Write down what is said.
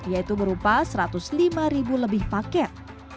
yaitu berupa satu ratus lima ribu lebih paket